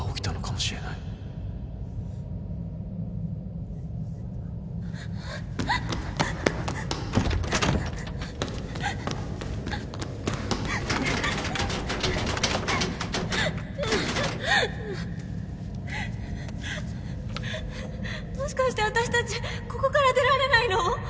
もしかして私たちここから出られないの？